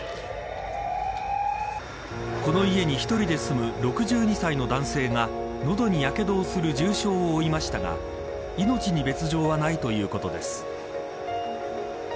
この家に１人で住む６２歳の男性が喉にやけどをする重傷を負いましたが命に別条はないということです。